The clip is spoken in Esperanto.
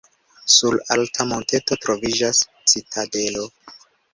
Sur alta monteto troviĝas citadelo.